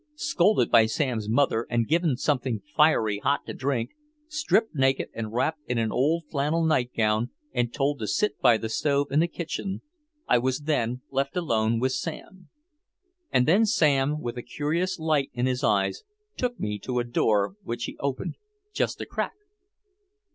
Scolded by Sam's mother and given something fiery hot to drink, stripped naked and wrapped in an old flannel nightgown and told to sit by the stove in the kitchen I was then left alone with Sam. And then Sam with a curious light in his eyes took me to a door which he opened just a crack.